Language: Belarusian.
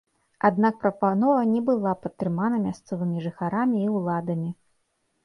Аднак прапанова не была падтрымана мясцовымі жыхарамі і ўладамі.